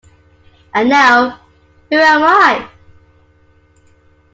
And now, who am I?